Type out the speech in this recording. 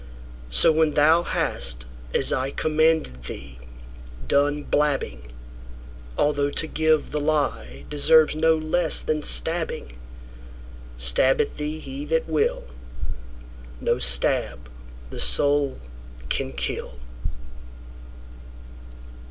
So when thou hast, as ICommanded thee, done blabbing,—Although to give the lieDeserves no less than stabbing,—Stab at thee he that will, No stab the soul can kill.